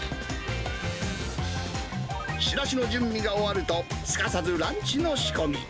仕出しの準備が終わると、すかさずランチの仕込み。